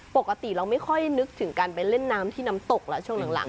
ปกติเราไม่ค่อยนึกถึงการไปเล่นน้ำที่น้ำตกแล้วช่วงหลัง